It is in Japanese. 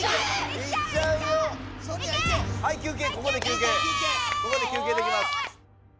ここで休けいできます。